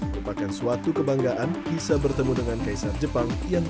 merupakan suatu kebanggaan bisa bertemu dengan kaisar jepang yang ke satu ratus dua puluh enam